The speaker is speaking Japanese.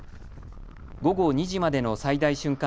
午後２時までの最大瞬間